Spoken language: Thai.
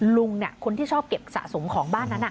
ลุงคนที่ชอบเก็บสะสมของบ้านนั้น